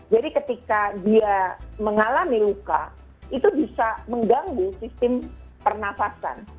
jadi ketika dia mengalami luka itu bisa mengganggu sistem pernafasan